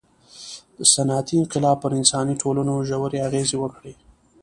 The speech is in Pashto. • صنعتي انقلاب پر انساني ټولنو ژورې اغېزې وکړې.